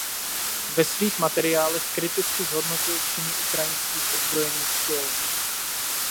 Ve svých materiálech kriticky zhodnotil činy ukrajinských ozbrojených sil.